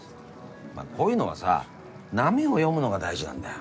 まあこういうのはさ波を読むのが大事なんだよ。